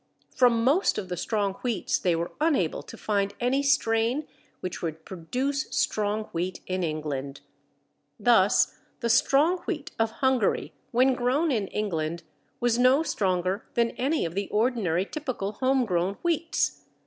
From most of the strong wheats they were unable to find any strain which would produce strong wheat in England. Thus the strong wheat of Hungary when grown in England was no stronger than any of the ordinary typical home grown wheats.